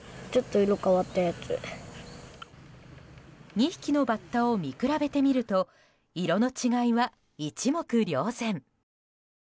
２匹のバッタを見比べてみると色の違いは一目瞭然。